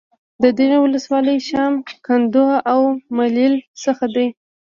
د دغې ولسوالۍ شام ، کندو او ملیل څخه د